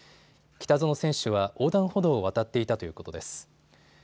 北薗選手は横断歩道を渡っていたということです。